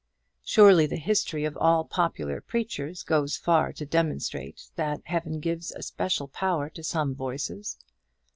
Surely the history of all popular preachers goes far to demonstrate that Heaven gives a special power to some voices.